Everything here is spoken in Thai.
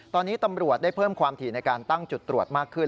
ตอนนี้ตำรวจได้เพิ่มความถี่ในการตั้งจุดตรวจมากขึ้น